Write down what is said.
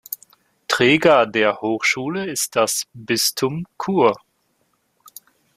Träger der Hochschule ist das Bistum Chur.